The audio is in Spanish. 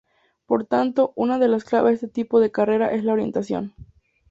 Por tanto, una de las claves de este tipo de carreras es la orientación.